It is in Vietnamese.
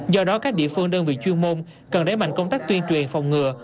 do đó các địa phương đơn vị chuyên môn cần đẩy mạnh công tác tuyên truyền phòng ngừa